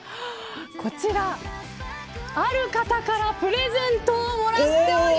こちら、ある方からプレゼントをもらっております。